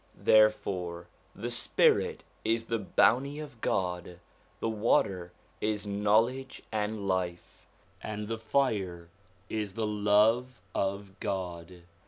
Therefore the spirit is the bounty of God, the water is knowledge and life, and the fire is the love of God.